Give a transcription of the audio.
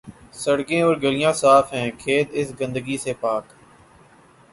سڑکیں اورگلیاں صاف ہیں، کھیت اس گندگی سے پاک۔